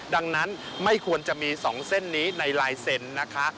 ดังนั้นไม่ควรจะมี๒เส้นนี้ในลายเซ็นต์นะคะ